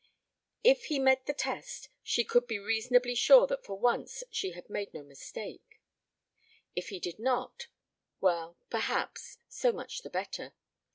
If he met the test she could be reasonably sure that for once she had made no mistake. If he did not well, perhaps, so much the better.